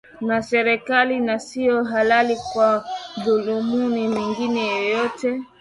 na serikali na sio halali kwa madhumuni mengine yoyote